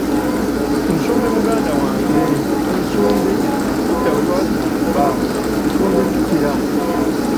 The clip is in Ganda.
“Nsumbi muganda wange ensumbi, jjukira bwetwazibumba, nsumbi jjukira